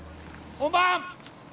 ・本番！